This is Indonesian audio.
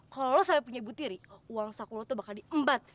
kalau lo sampai punya ibu tiri uang saku lo tuh bakal diembat